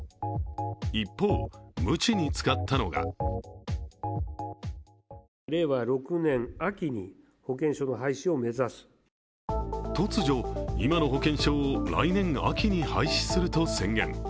一方、ムチに使ったのが突如、今の保険証を来年秋に廃止すると宣言。